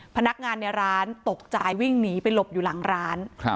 พนักงานในร้านตกใจวิ่งหนีไปหลบอยู่หลังร้าน